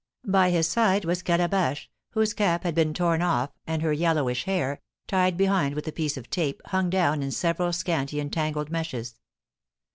By his side was Calabash, whose cap had been torn off, and her yellowish hair, tied behind with a piece of tape, hung down in several scanty and tangled meshes.